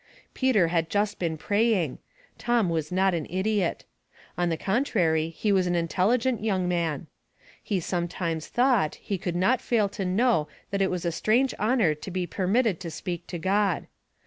Peter had just been praying. Tom was not an idiot. On the contrary, he was an intelligent young man. He sometimes thought he could not fail to know that it was a strange honor to be permitted to speak to God.